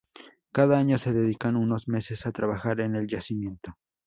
Cada año se dedican unos meses a trabajar en el yacimiento.